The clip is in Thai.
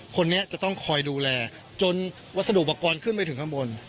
คนนี้จะต้องคอยดูแลจนวัสดุอุปกรณ์ขึ้นไปถึงข้างบน